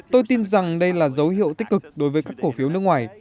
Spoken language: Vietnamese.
tôi tin rằng đây là dấu hiệu tích cực đối với các cổ phiếu nước ngoài